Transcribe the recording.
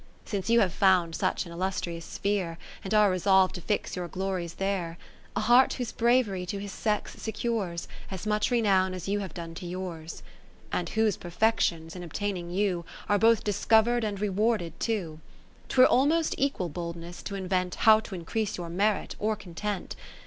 Since you have found such an illus trious sphere. And are resolv'd to fix your glories there ; lo A heart whose bravery to his sex secures As much renown as you have done to yours ; And whose perfections in obtaining you. Are both discover'd and rewarded too ; 'Twere almost equal boldness to invent How to increase your merit, or content.